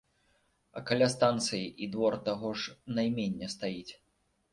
А каля станцыі і двор таго ж наймення стаіць.